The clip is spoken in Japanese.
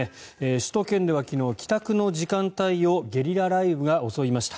首都圏では昨日、帰宅の時間帯をゲリラ雷雨が襲いました。